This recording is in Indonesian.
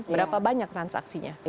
berapa banyak transaksinya